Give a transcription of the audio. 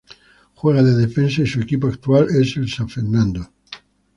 Juega de defensa y su equipo actual es el San Fernando.